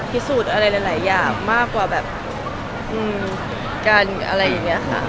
พิสูจน์อะไรหลายอย่างมากกว่าแบบกันอะไรอย่างนี้ค่ะ